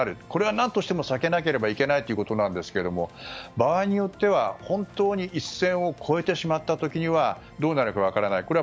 これは何としても避けなければいけないということなんですが場合によっては本当に一線を越えてしまった時にはどうなるか分からない。